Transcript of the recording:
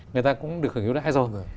người ta cũng được hưởng yêu đại rồi